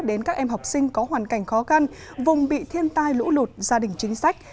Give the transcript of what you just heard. đến các em học sinh có hoàn cảnh khó khăn vùng bị thiên tai lũ lụt gia đình chính sách